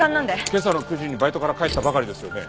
今朝の９時にバイトから帰ったばかりですよね？